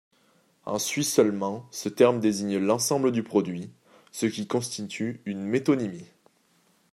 En Suisse seulement, ce terme désigne l'ensemble du produit, ce qui constitue une métonymie.